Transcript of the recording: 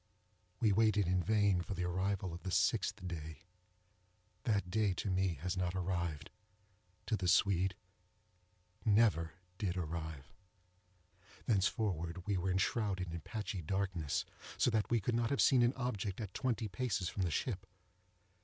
We waited in vain for the arrival of the sixth day—that day to me has not yet arrived—to the Swede, never did arrive. Thenceforward we were enshrouded in patchy darkness, so that we could not have seen an object at twenty paces from the ship.